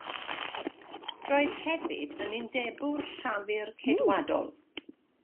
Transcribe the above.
Roedd hefyd yn undebwr llafur ceidwadol.